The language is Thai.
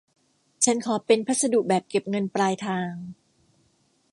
ฉันขอเป็นพัสดุแบบเก็บเงินปลายทาง